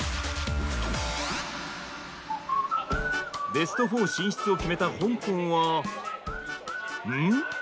ベスト４進出を決めた香港はん？